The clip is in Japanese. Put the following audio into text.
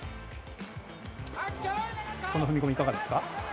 この踏み込み、いかがですか。